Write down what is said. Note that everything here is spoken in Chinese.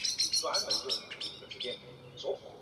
适用于创建进程间通信的共享内存。